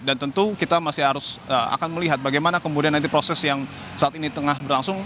dan tentu kita masih akan melihat bagaimana kemudian nanti proses yang saat ini tengah berlangsung